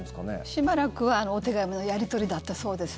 しばらくはお手紙のやり取りだったそうです